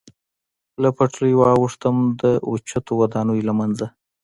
له پټلۍ واوښتم، د اوچتو ودانیو له منځه.